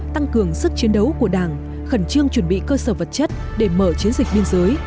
tăng cường sức chiến đấu của đảng khẩn trương chuẩn bị cơ sở vật chất để mở chiến dịch biên giới